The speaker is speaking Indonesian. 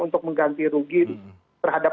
untuk mengganti rugi terhadap